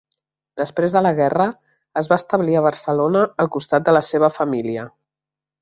Després de la guerra, es va establir a Barcelona al costat de la seva família.